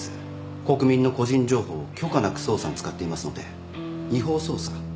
国民の個人情報を許可なく捜査に使っていますので違法捜査。